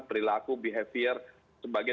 perilaku behavior sebagai